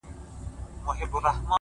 د زنده گۍ ياري كړم;